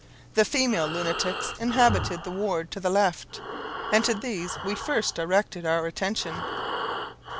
The female lunatics inhabited the ward to the left, and to these we first directed our attention.